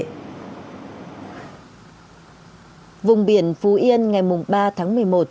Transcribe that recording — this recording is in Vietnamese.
vùng biển mỹ quang tỉnh phú yên có khả năng xuất hiện một đợt lũ